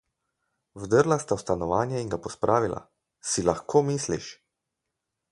Vdrla sta v stanovanje in ga pospravila. Si lahko misliš?